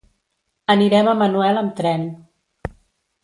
Anirem a Manuel amb tren.